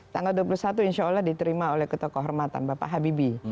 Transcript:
tanggal dua puluh satu insya allah diterima oleh ketua kehormatan bapak habibie